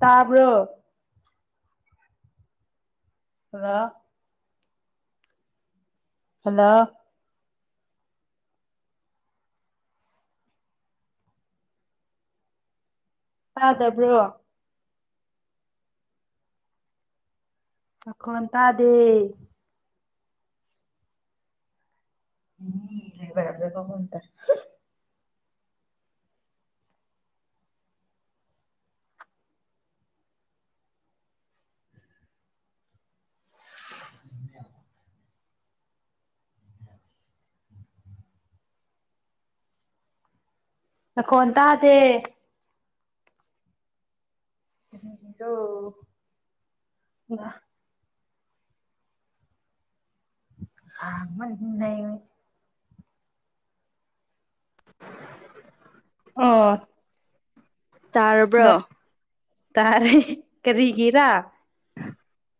ꯇꯥꯕ꯭ꯔꯣ ꯑ ꯍꯜꯂꯣ ꯇꯥꯗꯕ꯭ꯔꯣ ꯑꯈꯣꯟ ꯇꯥꯗꯦ ꯎꯝ ꯂꯩꯕꯔꯖ ꯀ ꯍꯣꯟ ꯇ [inaudible] ꯀꯣꯟ ꯇ ꯇ ꯗꯣ ꯑ ꯂꯩ [unintelligible] ꯑꯣ ꯇꯥꯔꯕ꯭ꯔꯣ ꯇꯔꯦ ꯀꯔꯤꯒꯦꯔꯥ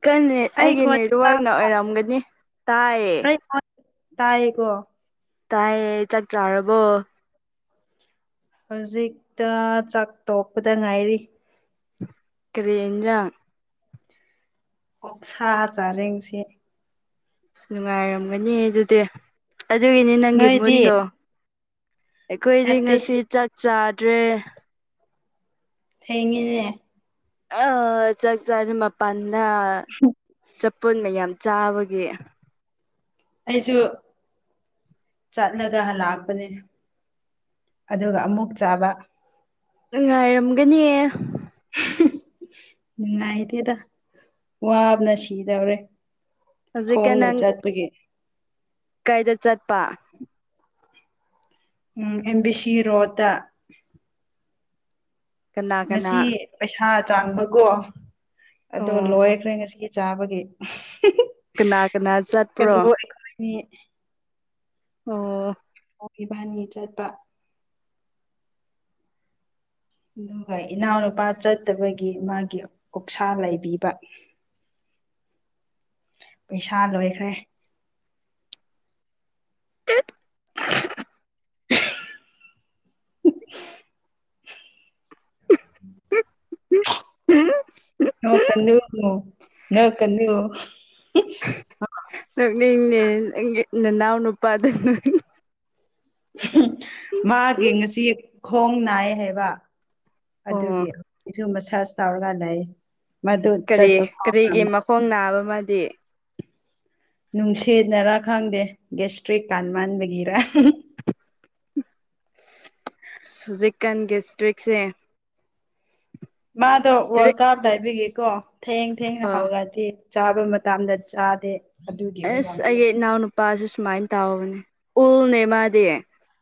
ꯀꯅꯦꯠ ꯑꯩꯒꯤ ꯅꯦꯠꯋꯥꯔꯛꯅ ꯇꯥꯕ ꯑꯣꯏꯔꯝꯒꯅꯤ ꯇꯥꯏꯌꯦ ꯇꯌꯦꯀꯣ ꯇꯥꯏꯌꯦ ꯆꯥꯛ ꯆꯥꯔꯕꯣ ꯍꯧꯖꯤꯛꯇ ꯆꯥꯛ ꯇꯣꯛꯄꯗ ꯉꯥꯏꯔꯤ ꯀꯔꯤꯦꯖ ꯑꯣ ꯁꯥ ꯆꯥꯔꯦ ꯉꯁ ꯑꯁ ꯅꯨꯡꯉꯥꯏꯔꯝꯒꯅꯤ ꯑꯗꯨꯗꯤ ꯑꯗꯨꯒꯤꯅꯤ ꯅꯪꯒꯤ ꯅꯣꯏꯗꯤ ꯃꯨꯠꯇꯣ ꯑꯩꯈꯣꯏꯗꯤ ꯅꯠꯇꯦ ꯉꯁꯤ ꯆꯥꯛ ꯆꯥꯗ꯭ꯔꯦ ꯊꯦꯡꯉꯤꯅꯦꯦ ꯑ ꯆꯥꯛ ꯆꯥꯔ ꯃꯄꯥꯟꯗ ꯆꯄꯜ ꯃꯌꯥꯝ ꯆꯥꯕꯒꯤꯦ ꯑꯩꯁꯨ ꯆꯠꯂꯒ ꯂꯥꯛꯄꯅꯤ ꯑꯗꯨꯒ ꯑꯃꯨꯛ ꯆꯥꯕ ꯉꯥꯏꯔꯝꯒꯅꯤ ꯅꯨꯡꯉꯥꯏꯗꯦꯗ ꯋꯥꯕꯅ ꯁꯤꯗꯧꯔꯦ ꯊꯣꯡꯅ ꯆꯠꯄꯒꯤ ꯀꯩꯗ ꯆꯠꯄ꯫ ꯎꯝ ꯑꯦꯝ ꯕꯤ ꯁꯤ ꯔꯣꯠꯇ꯫ ꯀꯅꯥ ꯀꯅꯥ ꯉꯁꯤ ꯄꯩꯁꯥ ꯆꯥꯡꯕꯀꯣ ꯑꯗꯣ ꯑꯣ ꯂꯣꯏꯈ꯭ꯔꯦ ꯉꯁꯤ ꯆꯥꯕꯒꯤ ꯀꯅꯥ ꯀꯅꯥ [unintelligible] ꯆꯠꯄ꯭ꯔꯣ ꯀꯂꯨ ꯑꯩꯈꯣꯏꯅꯤ꯫ ꯑꯣ꯫ ꯏꯕꯥꯅꯤ ꯆꯠꯄ꯫ ꯑꯗꯨꯒ ꯏꯅꯥꯎꯅꯨꯄꯥ ꯆꯠꯇꯕꯒꯤ ꯃꯥꯒꯤ ꯑꯣꯛꯁꯥ ꯂꯩꯕꯤꯕ꯫ ꯄꯩꯁꯥ ꯂꯣꯏꯈ꯭ꯔꯦ꯫ ꯅꯣꯛꯀꯅꯨ ꯅꯣ ꯅꯣꯛꯀꯅꯨ [unintelligible] ꯅꯣꯛꯅꯤꯡꯉꯦ ꯅꯪꯒꯤ ꯅꯅꯥꯎ ꯅꯄꯥꯗꯨ [unintelligible] [unintelligible] ꯃꯥꯒꯤ ꯉꯁꯤ ꯈꯣꯡ ꯅꯥꯏ ꯍꯥꯏꯕ꯫ ꯑꯣ ꯑꯗꯨꯒꯤ ꯍꯧꯖꯤꯛꯁꯨ ꯃꯁꯥꯖ ꯇꯧꯔꯒ ꯂꯩ꯫ ꯃꯗꯨ ꯀꯔꯤ ꯆꯠꯄ ꯐꯥꯎ ꯀꯔꯤꯒꯤ ꯉꯝꯗꯦ ꯃꯈꯣꯡ ꯅꯥꯕ ꯃꯥꯗꯤ꯫ ꯅꯨꯡꯁꯤꯠꯅꯔꯥ ꯈꯪꯗꯦ ꯒꯦꯁꯇ꯭ꯔꯤꯛ ꯀꯥꯟ ꯃꯟꯕꯒꯤꯔ [unintelligible] ꯍꯧꯖꯤꯛꯀꯥꯟ ꯒꯦꯁꯇ꯭ꯔꯤꯛꯁꯦ ꯃꯥꯗꯣ ꯋꯥꯜ ꯀꯞ ꯂꯩꯕꯒꯤ ꯀꯣ ꯊꯦꯡ ꯊꯦꯡꯅ ꯑꯥ ꯍꯧꯒꯠꯂꯤ꯫ ꯆꯥꯕ ꯃꯇꯝꯗ ꯆꯥꯗꯦ꯫ ꯑꯗꯨꯒꯤ ꯑꯁ ꯑꯣꯏꯔꯝꯅꯤ ꯑꯩꯒꯤ ꯏꯅꯥꯎꯅꯨꯄꯥꯖꯨ ꯁꯨꯃꯥꯏꯅ ꯇꯧꯕꯅꯦ ꯎꯜꯅꯦ ꯃꯥꯗꯤ꯫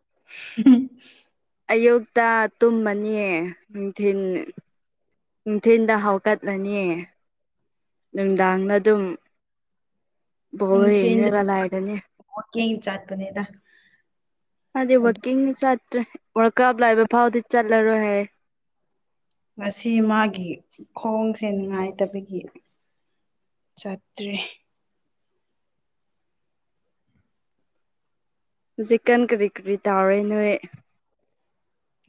[unintelligible] ꯑꯌꯨꯛꯇ ꯇꯨꯝꯃꯅꯤꯌꯦ ꯅꯨꯡꯊꯤꯟ ꯅꯨꯡꯊꯤꯟꯗ ꯑꯁꯤ ꯍꯧꯒꯠ ꯂꯅꯤꯌꯦ꯫ ꯅꯨꯡꯗꯥꯡꯅ ꯑꯗꯨꯝ ꯕꯣꯜ ꯌꯦꯡꯔꯒ ꯂꯩꯔꯅꯤ꯫ ꯀꯤꯡ ꯆꯠꯄꯅꯦꯗ꯫ ꯃꯥꯗꯤ ꯋꯥꯛꯀꯤꯡ ꯆꯠꯇ꯭ꯔꯦ ꯋꯥꯜꯀꯞ ꯂꯩꯕ ꯐꯥꯎꯗꯤ ꯆꯠꯂꯔꯣꯏ ꯍꯥꯏꯌꯦ꯫ ꯉꯁꯤ ꯃꯥꯒꯤ ꯈꯣꯡꯁꯦ ꯅꯨꯡꯉꯥꯏꯇꯕꯒꯤ ꯆꯠꯇ꯭ꯔꯦ꯫ ꯍꯧꯖꯤꯛꯀꯥꯟ ꯀꯔꯤ ꯀꯔꯤ ꯇꯧꯔꯦ ꯅꯣꯏ꯫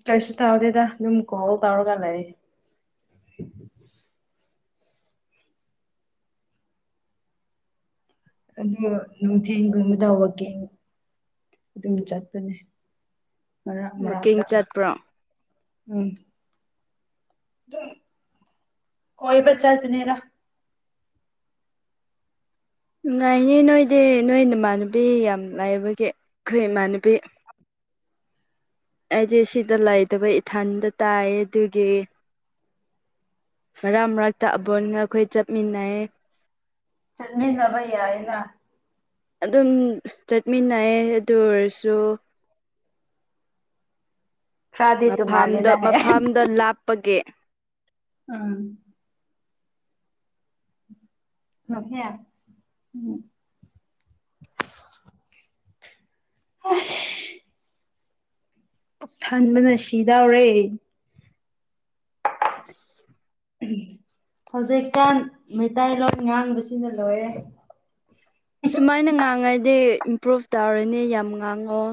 ꯀꯩꯁꯨ ꯇꯧꯗꯦꯗ ꯅꯪ ꯀꯣꯜ ꯇꯧꯔꯒ ꯂꯩ꯫ ꯑꯗꯨ ꯅꯨꯡꯊꯤꯟ [unintelligible] ꯇꯧꯔꯛꯀꯦ꯫ ꯑꯗꯨꯝ ꯆꯠꯄꯅꯤ꯫ ꯃꯀꯤꯡ ꯆꯠꯄ꯭ꯔꯣ꯫ ꯎꯝ꯫ ꯑꯗꯨꯝ ꯀꯣꯏꯕ ꯆꯠꯄꯅꯤꯗ꯫ ꯅꯨꯉꯥꯏꯅꯦ ꯅꯣꯏꯗꯤ ꯅꯣꯏ ꯅꯃꯥꯟꯅꯕꯤ ꯌꯥꯝ ꯂꯩꯕꯒꯤ ꯑꯩꯈꯣꯏ ꯏꯃꯥꯟꯅꯕꯤ ꯑꯩꯖꯦ ꯁꯤꯗ ꯂꯩꯇꯕꯩ ꯏꯊꯟꯗ ꯇꯥꯏꯌꯦ ꯑꯗꯨꯒꯤ꯫ ꯃꯔꯛ ꯃꯔꯛꯇ ꯑꯕꯣꯟꯒ ꯑꯩꯈꯣꯏ ꯆꯠꯃꯤꯟꯅꯩ꯫ ꯆꯠꯃꯤꯟꯅꯕ ꯌꯥꯏꯅ꯫ ꯑꯗꯨꯝ ꯆꯠꯃꯤꯟꯅꯩ ꯑꯗꯨ ꯑꯣꯏꯔꯁꯨ ꯈꯔꯗꯤ ꯃꯐꯝꯗꯣ ꯇꯣꯡꯉꯥꯜꯂꯤꯅ ꯍꯥꯏ ꯃꯐꯝꯗꯣ ꯂꯥꯞꯄꯒꯤ꯫ ꯎꯝ꯫ [unintelligible] ꯎꯝ ꯑꯁ ꯄꯨꯛꯊꯟꯕꯅ ꯁꯤꯗꯧꯔꯦ꯫ [unintelligible] ꯍꯧꯖꯤꯛꯀꯥꯟ ꯃꯤꯇꯩꯂꯣꯟ ꯉꯥꯡꯕꯁꯤꯅ ꯂꯣꯏꯔꯦ꯫ ꯁꯨꯃꯥꯏꯅ ꯉꯥꯡꯉꯗꯤ ꯏꯝꯄ꯭ꯔꯨꯞ ꯇꯧꯔꯅꯤ ꯌꯥꯝ ꯉꯥꯡꯉꯣ꯫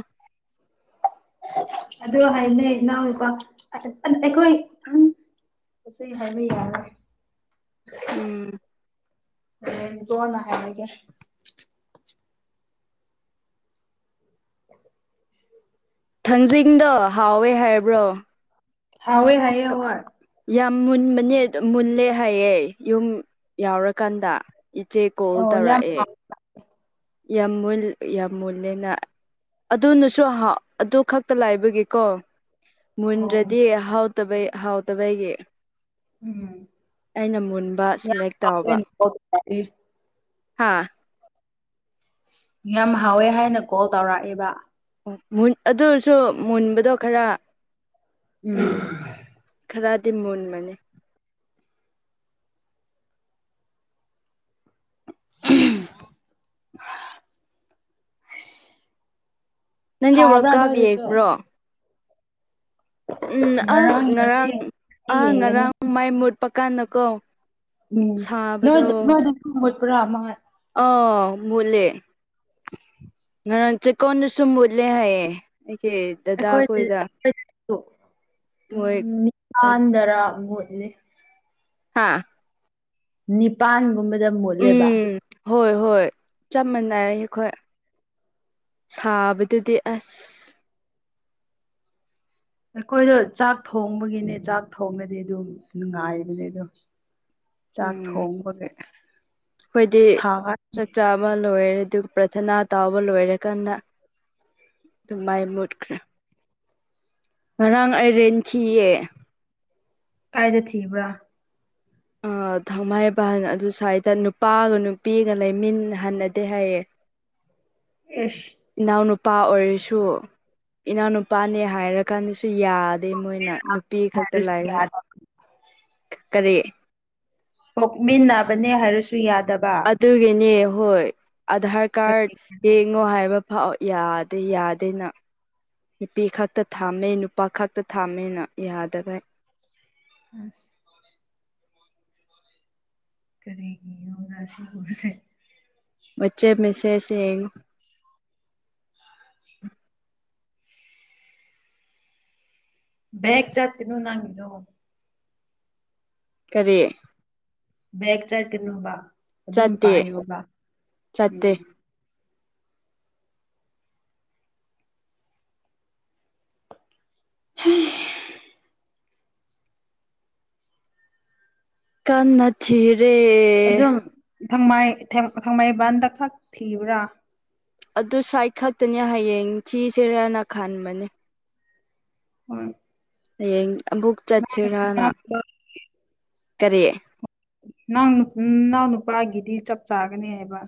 ꯑꯗꯨ ꯍꯥꯏꯅꯩ ꯏꯅꯥꯎꯅꯨꯄꯥ ꯑꯩꯈꯣꯏ [unintelligible] ꯎꯝ ꯍꯣꯔꯦꯟ ꯀꯣꯟꯅ ꯍꯥꯏꯔꯒꯦ꯫ ꯊꯥꯡꯖꯤꯡꯗꯣ ꯍꯥꯎꯋꯦ ꯍꯥꯏꯕ꯭ꯔꯣ꯫ ꯍꯋꯦ ꯍꯦ ꯍꯔ ꯌꯥꯝ ꯃꯨꯟꯕꯅꯦ ꯃꯨꯜꯂꯦ ꯍꯥꯏꯌꯦꯦ ꯌꯨꯝ ꯌꯥꯎꯔꯀꯥꯟꯗ ꯏꯆꯦ ꯀꯣꯜ ꯑꯣ ꯌꯥꯝ ꯇꯧꯔꯛꯑꯦ ꯍꯥꯎ ꯌꯥꯝ ꯃꯨꯜ ꯌꯥꯝ ꯃꯨꯜꯂꯦꯅ ꯑꯗꯨꯅꯁꯨ ꯑꯗꯨ ꯈꯛꯇ ꯂꯥꯏꯕꯒꯤꯀꯣ ꯑꯣ ꯃꯨꯟꯗ꯭ꯔꯗꯤ ꯍꯥꯎꯇꯕꯩ ꯍꯥꯎꯇꯕꯩꯒꯤ ꯎꯝ ꯑꯩꯅ ꯃꯨꯟꯕ ꯁꯂꯦꯛ ꯇꯥꯎꯕ ꯏ ꯍꯥꯥ ꯌꯥꯝ ꯍꯥꯎꯋꯦ ꯍꯥꯏꯅ ꯀꯣꯜ ꯇꯧꯔꯛꯑꯦꯕ ꯑꯣ ꯑꯗꯨꯁꯨ ꯃꯨꯟꯕꯗꯣ ꯈꯔ ꯎꯝ ꯈꯔꯗꯤ ꯃꯣꯟ ꯃꯅꯦ [unintelligible] ꯅꯪꯗꯤ ꯋꯥꯔꯜ ꯁꯥꯕ꯭ꯔꯥ ꯀꯞ ꯅꯣꯏꯗꯨꯁꯨ ꯌꯦꯡꯕ꯭ꯔꯣ ꯎꯝ ꯑꯁ ꯉꯔꯥꯡ ꯑꯥ ꯌꯦꯡꯒꯅꯤ ꯉꯔꯥꯡ ꯃꯥꯏ ꯃꯨꯠꯄ ꯀꯥꯟꯗꯀꯣ ꯎꯝ ꯅꯣꯏ ꯁꯥꯕꯗꯣ ꯅꯣꯏꯗꯁꯨ ꯃꯨꯠꯄ꯭ꯔꯥ ꯃꯥ ꯑ ꯃꯨꯠꯂꯦ ꯃꯔ ꯆꯦ ꯀꯣꯟꯗꯁꯝꯕꯣꯗꯂ ꯍꯥꯏꯌꯦ ꯁꯦ ꯗꯗꯥꯈꯣꯏꯗ ꯑꯩꯈꯣꯏꯗꯁꯨ ꯃꯣꯏ ꯑꯗꯔꯕꯨꯠꯂꯤ ꯍꯥꯥ ꯅꯤꯄꯥꯟꯒꯨꯝꯕ ꯎꯝ ꯍꯣꯏ ꯍꯣꯏ ꯆ ꯃꯅ ꯑꯩꯈꯣꯏ ꯁꯥꯕꯗꯨꯗꯤ ꯑꯁ ꯑꯩꯈꯣꯏꯗꯣ ꯆꯥꯛ ꯊꯣꯡꯕꯒꯤꯅꯦ ꯆꯥꯛ ꯊꯣꯡꯕꯗꯤ ꯑꯗꯨ ꯅꯨꯡꯉꯥꯏꯕꯅꯦ ꯑꯗꯣ ꯆꯥꯛ ꯊꯣꯡꯕꯒꯦ ꯑꯩꯣꯏꯗꯤ ꯆꯥꯛ ꯆꯥꯕ ꯂꯣꯏꯔꯗꯤ ꯑꯗꯨꯒ ꯄ꯭ꯔꯊꯅꯥ ꯇꯥꯎꯕ ꯂꯣꯏꯔꯀꯗ ꯑꯗꯨ ꯃꯥꯏ ꯃꯨꯠꯈ꯭ꯔꯦ ꯉꯔꯥꯡ ꯑꯩꯔꯦꯟ ꯊꯤꯌꯦ ꯀꯥꯏꯗꯦ ꯊꯕ꯭ꯔ ꯊꯥꯡꯃꯥꯏꯕꯟ ꯑꯗꯨ ꯁ꯭ꯋꯥꯏꯗ ꯅꯨꯄꯥꯒ ꯅꯨꯄꯤꯒ ꯂꯩꯃꯤꯟꯅꯍꯟꯅꯗꯦ ꯍꯥꯏꯌꯦ ꯑꯦꯁ ꯅꯨꯄꯥ ꯑꯣꯏꯔꯁꯨ ꯏꯅꯥꯎꯅꯄꯥꯅꯦ ꯍꯥꯏꯔ ꯀꯥꯟꯗꯁꯨ ꯁꯨ ꯌꯥꯗꯦ ꯃꯣꯏꯅ ꯅꯨꯄꯤ ꯈꯛꯇ ꯍꯥꯏꯔꯁꯨ ꯂꯥꯏ ꯌꯥꯗꯕ ꯀꯔꯤ ꯃꯤꯟꯅꯅꯥꯕꯅꯤ ꯍꯔꯁ ꯑꯗꯨꯒꯤꯅꯦ ꯍꯣꯏ ꯑꯙꯔ ꯀꯥꯔꯗ ꯀꯔꯤꯒꯤꯅꯣ ꯌꯦꯡꯉꯣ ꯍꯥꯏꯕ ꯑꯥꯎ ꯌꯥꯗꯦ ꯌꯥꯗꯦꯅ ꯅꯨꯄꯤ ꯈꯛꯇ ꯊꯥꯝꯃꯦ ꯅꯨꯄꯥ ꯈꯛꯇ ꯊꯥꯝꯃꯦꯅ ꯌꯥꯗꯕꯩ ꯑ ꯀꯔꯤꯒꯤꯣ ꯔꯁꯤꯨꯔꯁꯦ ꯕꯆꯦ ꯃꯁꯦꯁ ꯕꯒ ꯆꯥ ꯇꯅꯣ ꯅꯪꯣ ꯀꯔꯤ ꯕꯦꯛ ꯆꯠꯀꯅꯣꯕ ꯑꯗꯨꯝ ꯆꯠꯇꯦ ꯄꯥꯏꯣꯕ ꯆꯠꯇꯦ ꯎꯝ [unintelligible] ꯀꯊꯤꯔꯦ ꯊꯪꯃꯥꯏ ꯐꯪꯃꯥꯏꯕꯟꯗ ꯊꯛ ꯊꯤꯕ꯭ꯔꯥ ꯑꯗꯨ ꯁꯥꯏꯠ ꯈꯛꯇꯅꯦ ꯍꯌꯦꯡ ꯊꯤꯁꯤꯔꯅ ꯈꯟꯕꯅꯦ ꯍ ꯍꯌꯦꯡ ꯑꯃꯨꯛ ꯆꯠꯁꯤꯔꯅ ꯀꯔꯤꯦ ꯅꯪ ꯅꯅꯥꯎ ꯅꯨꯄꯥꯒꯤꯗꯤ ꯆꯞ ꯆꯥꯒꯅꯦ ꯍꯥꯏꯕ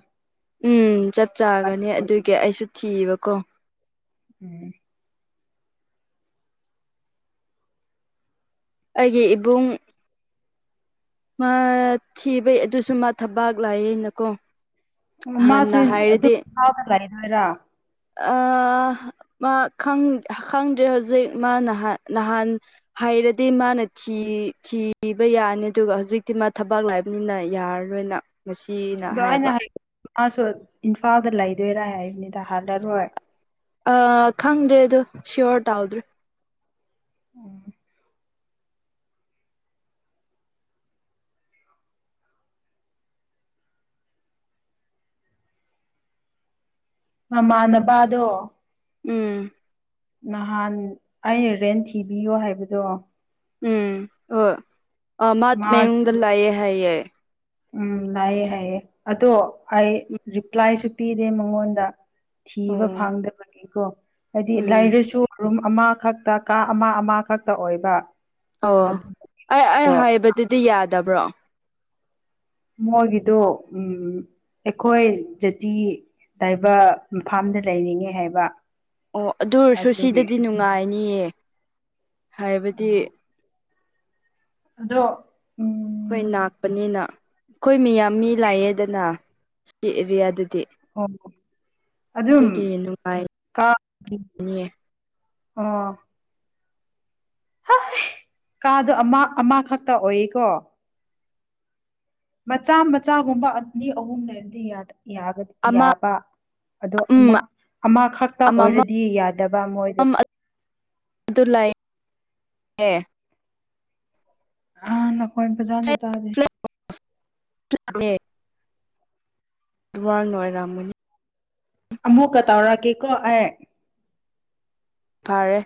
ꯎꯝ ꯆꯞ ꯆꯥꯒꯅꯤ ꯑꯗꯨꯒꯤ ꯑꯩꯁꯨ ꯊꯤꯕꯀꯣ ꯎꯝ ꯑꯩꯒꯤ ꯏꯕꯨꯡ ꯃꯥ ꯊꯤꯕꯩ ꯑꯗꯨꯁꯨ ꯃꯥ ꯊꯕꯥꯛ ꯂꯥꯛꯑꯩꯅꯀꯣ ꯑꯣ ꯃꯥꯁꯨ ꯑꯗꯨꯝꯒ ꯂꯩꯔꯣꯏꯔꯥ ꯑ ꯈꯪꯗ꯭ꯔꯦ ꯍꯧꯖꯤꯛ ꯃꯥ ꯅꯍꯥꯟ ꯍꯥꯏꯩꯔꯗꯤ ꯃꯥ ꯃꯥꯅ ꯊꯤꯕ ꯌꯥꯅꯤ ꯑꯗꯨꯒ ꯍꯧꯖꯤꯛꯇꯤ ꯃꯥ ꯊꯕꯥꯛ ꯂꯥꯛꯕꯅꯤꯅ ꯌꯥꯔꯔꯣꯏꯅ ꯃꯁꯤꯅ ꯍꯥꯏꯌꯦꯕ ꯑꯥ ꯁ ꯏꯝꯐꯥꯜꯗ ꯂꯩꯗꯣꯏꯔꯥ ꯍꯥꯏꯕꯅꯤꯗ ꯍꯜꯂꯔꯣꯏ ꯑ ꯈꯪꯗ꯭ꯔꯦ ꯑꯗꯨꯣ ꯁꯤꯌꯣꯔ ꯇꯥꯎꯗ꯭ꯔꯦ ꯎꯝ ꯃꯥꯃ ꯑꯅ ꯄꯥꯗꯣ ꯎꯝ ꯅꯍꯥꯟ ꯑꯩꯅ ꯔꯦꯟ ꯊꯤꯕꯤꯌꯣ ꯍꯥꯏꯕꯗꯣ ꯎꯝ ꯍ ꯑ ꯃꯥꯇꯃꯦꯅꯨꯡꯗ ꯃꯥꯒꯤ ꯂꯥꯛꯑꯌꯦꯦ ꯍꯥꯏꯌꯦ ꯎꯝ ꯂꯥꯛꯑꯦ ꯍꯥꯏꯑ ꯑꯗꯣ ꯑꯩ ꯔꯤꯄ꯭ꯂꯥꯏꯁꯨ ꯄꯤꯗꯦ ꯃꯉꯣꯟꯗ ꯊꯤꯕ ꯎꯝ ꯐꯪꯗꯕꯅꯤꯀꯣ ꯍꯥꯏꯗꯤ ꯎꯝ ꯂꯥꯏꯔꯁꯨ ꯔꯨꯝ ꯑꯃꯈꯛꯇ ꯀꯥ ꯑꯃ ꯑꯃꯈꯛꯇ ꯑꯣꯏꯕ ꯑꯣ ꯑꯗꯨ ꯑꯩ ꯑꯩ ꯃꯣꯏꯗꯣ ꯍꯥꯏꯕꯗꯨꯗꯤ ꯌꯥꯗꯕ꯭ꯔꯣ ꯃꯣꯏꯒꯤꯗ ꯎ ꯑꯩꯈꯣꯏ ꯖꯥꯇꯤ ꯇꯥꯏꯕ ꯐꯥꯝꯗ ꯂꯩꯔꯤꯉꯦ ꯍꯥꯏꯕ ꯑꯣ ꯑꯗꯨ ꯑꯣꯏꯔꯁꯨ ꯑꯗꯨꯒꯤ ꯁꯤꯗꯗꯤ ꯅꯨꯡꯉꯥꯏꯅꯤꯌꯦ ꯍꯥꯏꯕꯗꯤ ꯑꯗꯣ ꯎꯝ ꯍꯣꯏ ꯂꯥꯛꯄꯅꯤꯅ ꯑꯩꯈꯣꯏ ꯃꯤꯌꯥꯝ ꯃꯤ ꯂꯥꯛꯑꯦꯗꯅ ꯁꯤ ꯑꯦꯔꯤꯌꯥꯗꯗꯤ ꯑꯣ ꯑꯗꯨ ꯑꯗꯨꯝ ꯑꯗꯨꯒꯤ ꯅꯨꯡꯉꯥꯏꯅꯤꯌꯦ ꯑꯣ ꯍ ꯀꯥꯗꯣ ꯑꯃ ꯑꯃꯈꯛꯇ ꯑꯣꯏꯌꯦꯀꯣ ꯃꯆꯥ ꯃꯆꯥꯒꯨꯝꯕ ꯑꯅꯤ ꯑꯍꯨꯝ ꯂꯩꯔꯗꯤ ꯑꯃ ꯌꯥꯕ ꯑꯗꯣ ꯎꯝ ꯑꯃ ꯑꯃꯈꯛꯇ ꯑꯣꯏꯔꯗꯤ ꯌꯥꯗꯕ ꯃꯣꯏꯗꯣ ꯑꯦ ꯑꯥ ꯅꯈꯣꯏ ꯏꯝ ꯄ ꯆꯥꯗꯦ ꯇꯥꯗꯦ ꯦ [unintelligible] ꯋꯥꯔ ꯅꯣꯏꯔꯥꯃꯅꯤ ꯑꯃꯨꯀ ꯇꯧꯔꯥ ꯀꯦꯀꯣ ꯑꯦ ꯐꯔꯦ